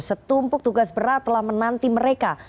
setumpuk tugas berat telah menanti mereka